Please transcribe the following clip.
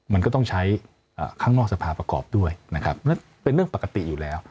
มันก็ต้องใช้ข้างนอกสภาประกอบด้วยนะครับนั่นเป็นเรื่องปกติอยู่แล้ว